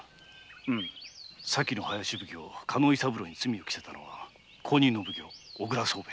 先の林奉行・加納伊三郎に罪を着せたのは後任の小倉惣兵衛。